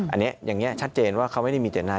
อันนี้อย่างนี้ชัดเจนว่าเขาไม่ได้มีเจตนา